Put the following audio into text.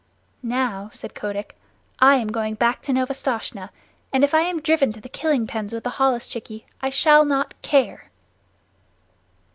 "Now," said Kotick, "I am going back to Novastoshnah, and if I am driven to the killing pens with the holluschickie I shall not care."